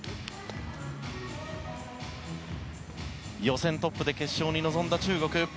予選トップで決勝に臨んだ中国。